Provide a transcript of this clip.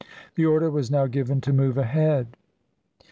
The order was now given to move ahead.